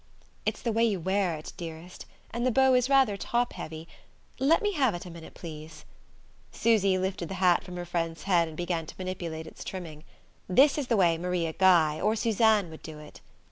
"It's the way you wear it, dearest and the bow is rather top heavy. Let me have it a minute, please." Susy lifted the hat from her friend's head and began to manipulate its trimming. "This is the way Maria Guy or Suzanne would do it....